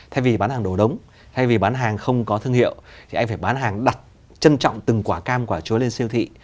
thay vì bán hàng đồ đống thay vì bán hàng không có thương hiệu thì anh phải bán hàng đặt trân trọng từng quả cam quả chuối lên siêu thị